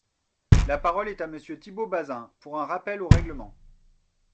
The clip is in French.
La parole est à Monsieur Thibault Bazin, pour un rappel au règlement.